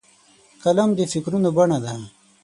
قلم د فکرونو بڼه ده